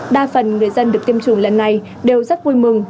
đa phần người dân được tiêm chủng lần này đều rất vui mừng